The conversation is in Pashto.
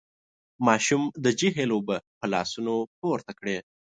ماشوم د جهيل اوبه په لاسونو پورته کړې.